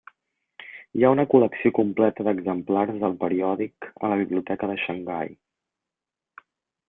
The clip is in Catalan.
Hi ha una col·lecció completa d'exemplars del periòdic a la Biblioteca de Xangai.